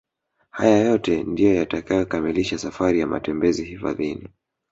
Haya yote ndio yatakayokamilisha safari ya matembezi hifadhini